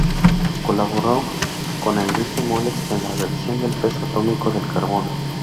Colaboró con Enrique Moles en la revisión del peso atómico del carbono.